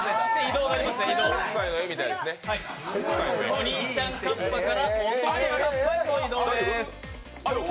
お兄ちゃんカッパから弟のカッパへの移動です。